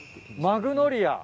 マグノリア。